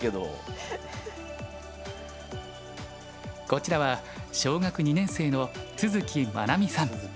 こちらは小学２年生の都築麻菜美さん。